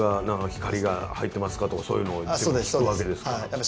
光が入ってますか？とかそういうのを全部聞くわけですか。